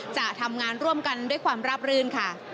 จะทำงานร่วมกันด้วยความราบรื่นค่ะ